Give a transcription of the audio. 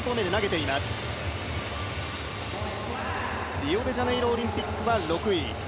リオデジャネイロオリンピックは６位。